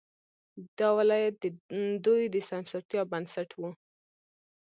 دا ولایت د دوی د سمسورتیا بنسټ وو.